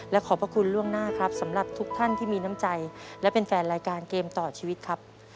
และขอบพระคุณล่วงหน้าครับสำหรับทุกท่านที่มีน้ำใจและเป็นแฟนรายการเกมต่อชีวิตครับ